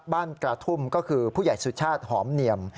กระทุ่มก็คือผู้ใหญ่สุชาติหอมเนียม